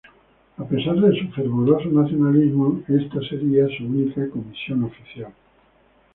A pesar de su fervoroso nacionalismo, esta sería su única comisión oficial.